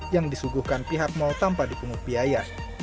yang disuguhkan pihak mal tanpa dipungut biaya